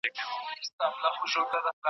زه چي مي په تور وېښته زلمی در څخه تللی یم